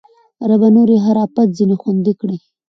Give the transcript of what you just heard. ربه! نور یې هر اپت ځنې خوندي کړې